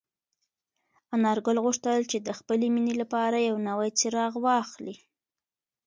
انارګل غوښتل چې د خپلې مېنې لپاره یو نوی څراغ واخلي.